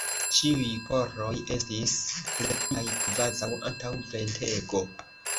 Ĉiuj koroj estis premitaj kvazaŭ antaŭ ventego.